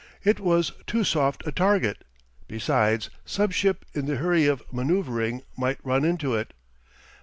It was too soft a target; besides, some ship in the hurry of manoeuvring might run into it.